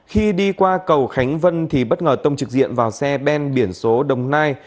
khi đi qua cầu khánh vân thì bất ngờ tông trực diện vào xe ben biển số đồng nai